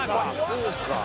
そうか。